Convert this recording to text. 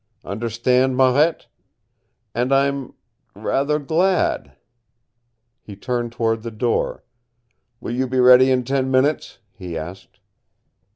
Understand, Marette? And I'm rather glad." He turned toward the door. "Will you be ready in ten minutes?" he asked.